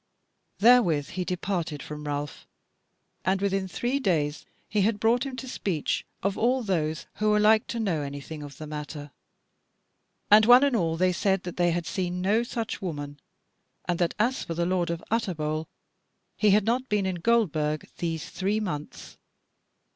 Therewith he departed from Ralph, and within three days he had brought him to speech of all those who were like to know anything of the matter; and one and all they said that they had seen no such woman, and that as for the Lord of Utterbol, he had not been in Goldburg these three months.